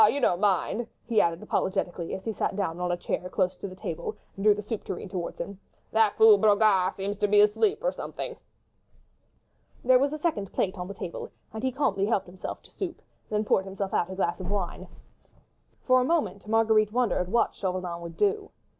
you don't mind?" he added, apologetically, as he sat down on a chair close to the table and drew the soup tureen towards him. "That fool Brogard seems to be asleep or something." There was a second plate on the table, and he calmly helped himself to soup, then poured himself out a glass of wine. For a moment Marguerite wondered what Chauvelin would do.